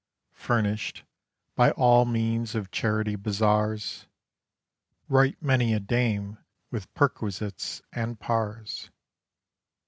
Furnished by all means of charity bazaars Right many a dame with perquisites and "pars."